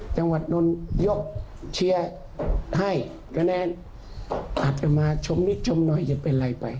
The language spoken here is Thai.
จังหวัดโดนยกเชียร์ให้แนนอาจมาชมนิดน่วนว่าจะเป็นอะไรไป